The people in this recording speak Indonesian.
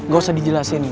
gak usah dijelasin